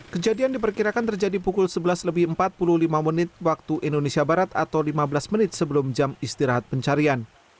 kejadian diperkirakan terjadi pukul sebelas lebih empat puluh lima menit waktu indonesia barat atau lima belas menit sebelum jam istirahat pencarian